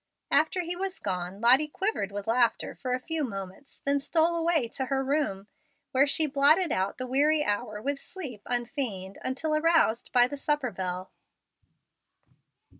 After he was gone, Lottie quivered with laughter for a few moments; then stole away to her room, where she blotted out the weary hour with sleep unfeigned, until aroused by the supper bell.